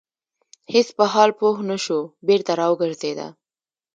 هیڅ په حال پوه نه شو بېرته را وګرځيده.